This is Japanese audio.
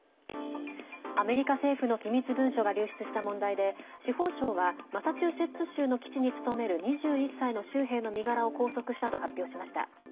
アメリカ政府の機密文書が流出した問題で司法省はマサチューセッツ州の基地に勤める２１歳の州兵の身柄を拘束したと発表しました。